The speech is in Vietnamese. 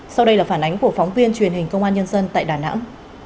sau đây là phản ánh của phóng viên truyền hình công an nhân dân tại đà nẵng